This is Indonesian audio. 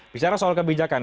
bicara soal kebijakan